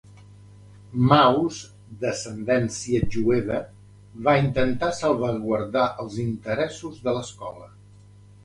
Mauss, d'ascendència jueva, va intentar "salvaguardar els interessos" de l'escola.